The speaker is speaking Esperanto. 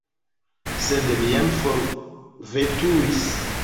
Sed mi jam forveturis.